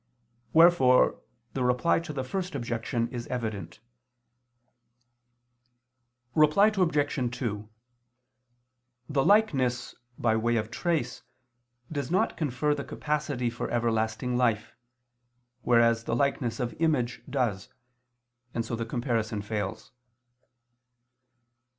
Wherefore the Reply to the First Objection is evident. Reply Obj. 2: The likeness by way of trace does not confer the capacity for everlasting life, whereas the likeness of image does: and so the comparison fails.